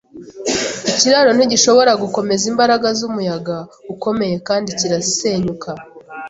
Ikiraro ntigishobora gukomeza imbaraga z'umuyaga ukomeye kandi kirasenyuka.